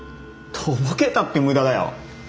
とぼけたって無駄だよ。